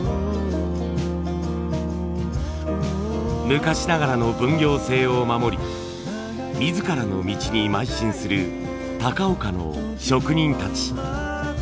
昔ながらの分業制を守り自らの道にまい進する高岡の職人たち。